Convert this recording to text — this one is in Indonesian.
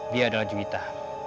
dia adalah juwita